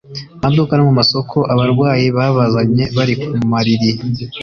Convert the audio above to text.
maduka no mu masoko abarwayi babazanye bari ku mariri,